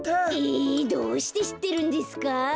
えどうしてしってるんですか？